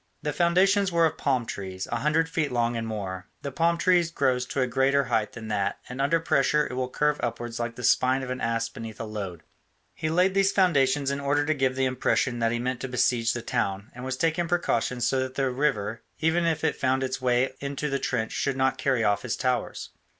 The foundations were of palm trees, a hundred feet long and more the palm tree grows to a greater height than that, and under pressure it will curve upwards like the spine of an ass beneath a load. He laid these foundations in order to give the impression that he meant to besiege the town, and was taking precautions so that the river, even if it found its way into his trench, should not carry off his towers.